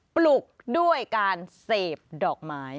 ปลุกด้วยการเสพดอกไม้